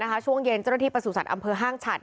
ในโลกของช่วงเย็นเจ้าที่ประสุนัขอำเภอห้างฉัดเคิ่มนี้